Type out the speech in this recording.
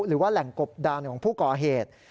หรือว่าแหล่งกบดานของผู้ก่อเหตุ